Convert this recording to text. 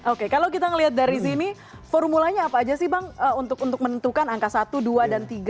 oke kalau kita melihat dari sini formulanya apa aja sih bang untuk menentukan angka satu dua dan tiga